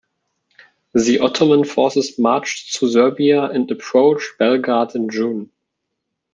The Ottoman forces marched through Serbia and approached Belgrade in June.